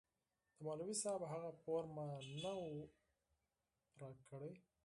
د مولوي صاحب هغه پور مې نه و پرې كړى.